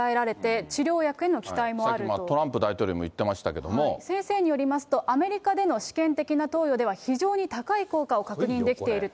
さっきのトランプ大統領も言ってましたけれども、先生によりますと、アメリカでの試験的な投与では、非常に高い効果を確認できていると。